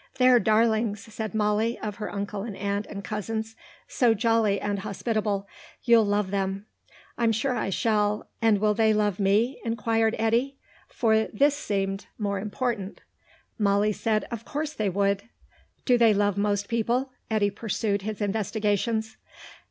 "They're darlings," said Molly, of her uncle and aunt and cousins. "So jolly and hospitable. You'll love them." "I'm sure I shall. And will they love me?" inquired Eddy, for this seemed even more important. Molly said of course they would. "Do they love most people?" Eddy pursued his investigations.